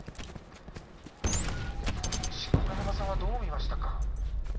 錣山さんはどう見ましたか。